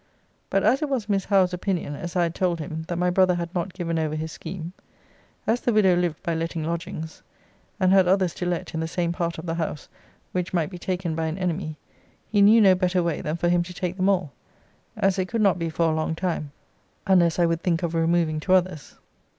But as it was Miss Howe's opinion, as I had told him, that my brother had not given over his scheme; as the widow lived by letting lodgings, and had others to let in the same part of the house, which might be taken by an enemy; he knew no better way than for him to take them all, as it could not be for a long time, unless I would think of removing to others.